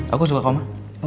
aku suka kau mah